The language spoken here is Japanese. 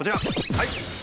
はい！